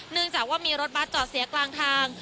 เนื่องจากว่ามีรถบล๊าทจอดเสียกลางทาง